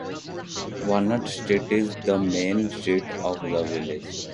Walnut Street is the main street of the village.